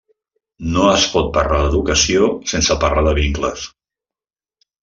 No es pot parlar d’educació sense parlar de vincles.